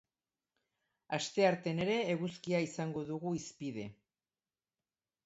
Asteartean ere eguzkia izango dugu hizpide.